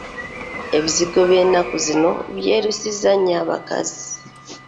Ebizigo by'ennaku zino biyerusizza nnyo abakazi.